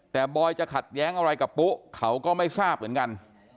แต่บอยจะขัดแย้งอะไรกับปุ๊เขาก็ไม่ทราบเหมือนกัน